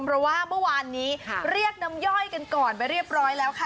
เพราะว่าเมื่อวานนี้เรียกน้ำย่อยกันก่อนไปเรียบร้อยแล้วค่ะ